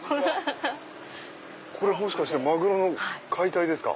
これもしかしてマグロの解体ですか？